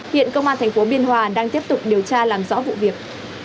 hiện công an tp biên hòa đang tiếp tục điều tra làm rõ vụ việc